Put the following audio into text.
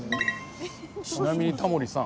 ちなみにタモリさん